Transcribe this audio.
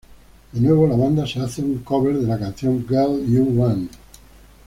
De nuevo la banda hace un cover de la canción "Girl U Want".